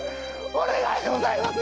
お願いでございます！